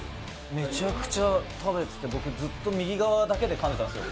めちゃくちゃ食べてて僕ずっと右側だけでかんでたんですよ。